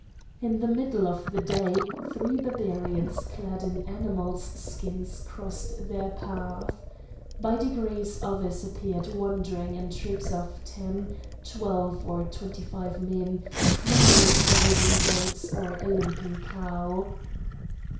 In the middle of the day three Barbarians clad in animals' skins crossed their path. By degrees others appeared wandering in troops of ten, twelve, or twenty five men; many were driving goats or a limping cow.